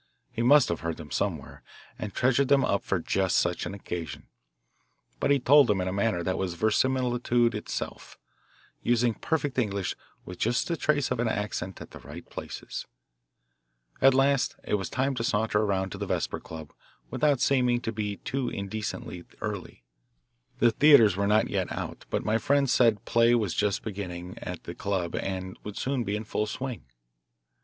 He must have heard them somewhere, and treasured them up for just such an occasion, but he told them in a manner that was verisimilitude itself, using perfect English with just the trace of an accent at the right places. At last it was time to saunter around to the Vesper Club without seeming to be too indecently early. The theatres were not yet out, but my friend said play was just beginning at the club and would soon be in full swing.